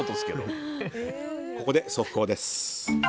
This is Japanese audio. ここで速報です。